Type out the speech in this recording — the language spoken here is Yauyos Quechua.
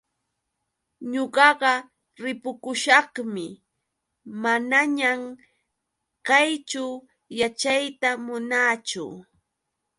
Ñuqaqa ripukushaqmi, manañan kayćhu yaćhayta munaachu.